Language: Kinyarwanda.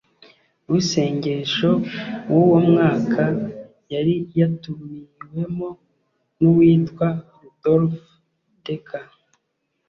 w'isengesho w'uwo mwaka yari yatumiwemo n'uwitwa rudolf decker,